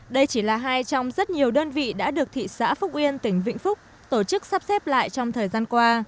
đây chỉ là hai trong rất nhiều đơn vị đã được thị xã phúc yên tỉnh vĩnh phúc tổ chức sắp xếp lại trong thời gian qua